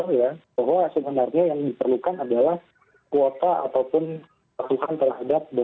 karena kita juga melihat apa yang terjadi pada batu bara itu kan gak lama kemudian akhirnya dibatalkan pelarangan ekspor